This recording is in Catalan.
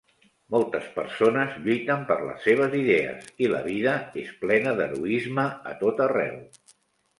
Moltes persones lluiten per les seves idees, i la vida és plena d'heroisme a tot arreu.